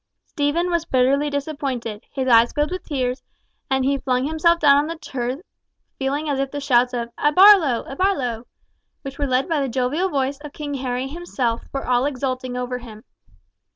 Stephen was bitterly disappointed, his eyes filled with tears, and he flung himself down on the turf feeling as if the shouts of "A Barlow! a Barlow!" which were led by the jovial voice of King Harry himself, were all exulting over him.